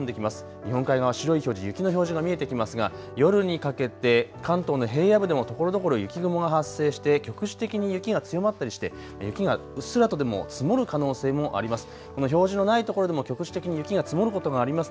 日本海側白い表示、雪の表示が見えてきますが、夜にかけて関東の平野部でもところどころ雪雲が発生して局地的に雪が強まったりして雪がうっすらとでも積もる可能性もあります。